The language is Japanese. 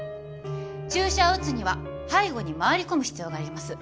注射を打つには背後に回り込む必要があります。